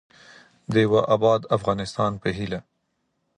د یوه اباد افغانستان په هیله.